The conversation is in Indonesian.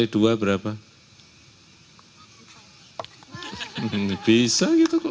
dua tambah lima